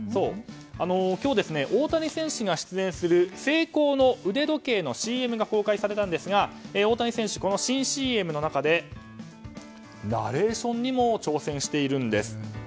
今日、大谷選手が出演するＳＥＩＫＯの腕時計のＣＭが公開されたんですが大谷選手この新ＣＭの中でナレーションにも挑戦しているんです。